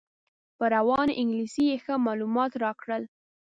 په روانه انګلیسي یې ښه معلومات راکړل.